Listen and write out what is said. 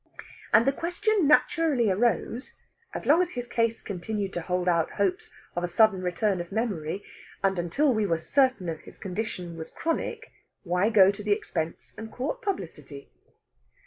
And the question naturally arose, as long as his case continued to hold out hopes of a sudden return of memory, and until we were certain his condition was chronic, why go to expense and court publicity?